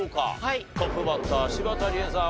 トップバッター柴田理恵さん